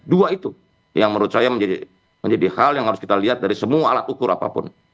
dua itu yang menurut saya menjadi hal yang harus kita lihat dari semua alat ukur apapun